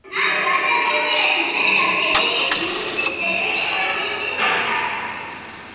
ამ გადაწყვეტილების შედეგად ლენინის ბიუსტის ბედი კითხვის ნიშნის ქვეშ დადგა.